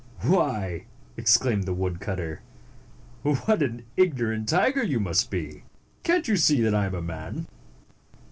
" Why," exclaimed the woodcutter, " what an ignorant tiger you must be! Cant you see that I am a man?"